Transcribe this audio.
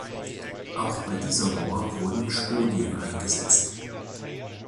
Auch bei dieser Mauer wurden Spolien eingesetzt.